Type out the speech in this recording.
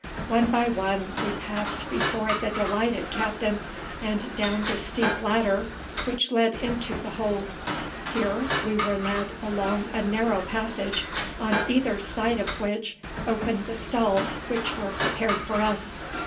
One by one we passed before the delighted captain, and down the steep ladder which led into the hold. Here we were led along a narrow passage, on either side of which opened the stalls which were prepared for us.